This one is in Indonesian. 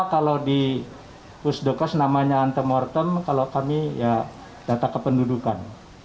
kalau di pusdokos namanya antemortem kalau kami ya data kependudukan